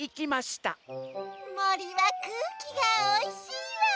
もりはくうきがおいしいわ。